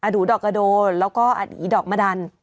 อดูดอกอโดแล้วก็อดี๋ดอกมดัน